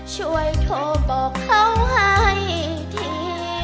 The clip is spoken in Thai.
ช่วยโทรบอกเขาให้ที